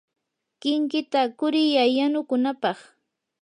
kinkita quriyay yanukunapaq.